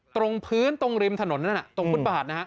ตรงพื้นตรงริมถนนนั่นอ่ะตรงพุทธประหารนะฮะ